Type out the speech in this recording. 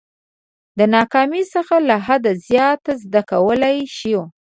د ناکامۍ څخه له حده زیات زده کولای شو.